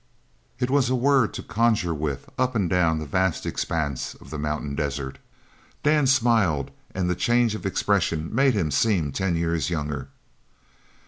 It was a word to conjure with up and down the vast expanse of the mountain desert. Dan smiled, and the change of expression made him seem ten years younger.